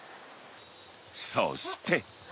そして。